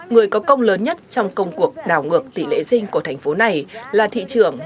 người có công lớn nhất trong công cuộc đảo ngược tỷ lệ dinh của thành phố này là thị trưởng